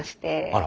あら。